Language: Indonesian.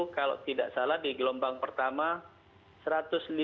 kalau tidak salah di gelombang pertama satu ratus sembilan puluh